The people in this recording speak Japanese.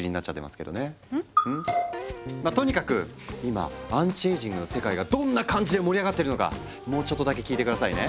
まあとにかく今アンチエイジングの世界がどんな感じで盛り上がってるのかもうちょっとだけ聞いて下さいね。